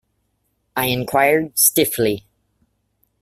I inquired stiffly.